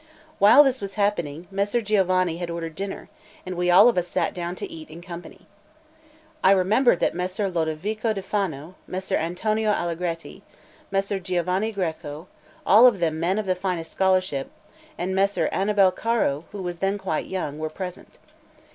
While this was happening, Messer Giovanni had ordered dinner, and we all of us sat down to eat in company. I remembered that Messer Lodovico da Fano, Messer Antonio Allegretti, Messer Giovanni Greco, all of them men of the finest scholarship, and Messer Annibal Caro, who was then quite young, were present.